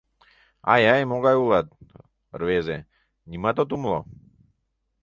— Ай-ай, могай улат, рвезе: нимат от умыло.